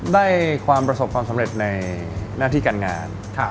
ได้ความประสบความสำเร็จในหน้าที่การงาน